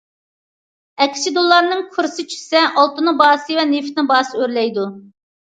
ئەكسىچە دوللارنىڭ كۇرسى چۈشسە ئالتۇننىڭ باھاسى ۋە نېفىتنىڭ باھاسى ئۆرلەيدۇ.